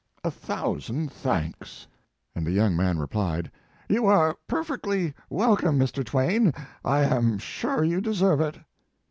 A thousand thanks." And the young man replied, "You are per fectly welcome, Mr. Twain. I am sure you deserve it."